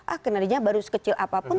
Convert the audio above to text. ah kinerja baru sekecil apapun